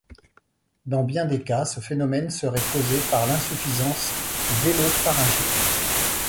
Dans bien des cas, ce phénomène serait causé par l'insuffisance vélopharyngée.